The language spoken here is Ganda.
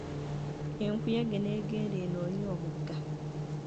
Enkuyege n'egenda enoonye omugga.